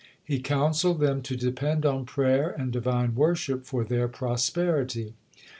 He counselled them to depend on prayer and divine worship for their prosperity.